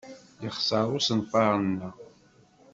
Yexṣer usenfar-nneɣ.